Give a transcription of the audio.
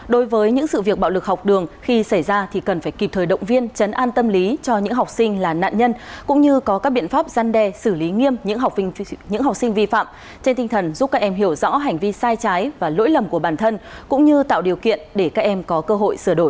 đối với những sự việc bạo lực học đường khi xảy ra thì cần phải kịp thời động viên chấn an tâm lý cho những học sinh là nạn nhân cũng như có các biện pháp gian đe xử lý nghiêm những học sinh vi phạm trên tinh thần giúp các em hiểu rõ hành vi sai trái và lỗi lầm của bản thân cũng như tạo điều kiện để các em có cơ hội sửa đổi